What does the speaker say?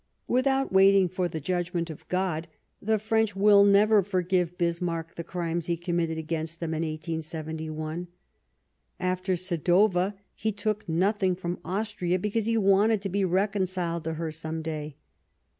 Without waiting for the judgment of God, the French will never forgive Bismarck the crimes he committed against them in 1871. After Sadowa he took nothing from Austria because he wanted to be reconciled to her some day.